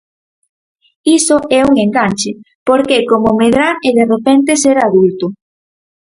Iso é un enganche porque é como medrar e de repente ser adulto.